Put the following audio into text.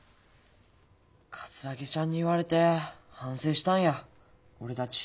桂木ちゃんに言われて反省したんや俺たち。